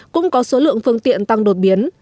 cũng có số lượng phương tiện tăng đột biến